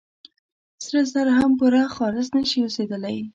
سره زر هم پوره خالص نه شي اوسېدلي.